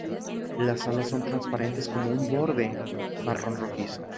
Las alas son transparentes con un borde marrón rojizo.